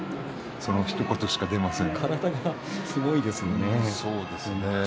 そのひと言しか出ません。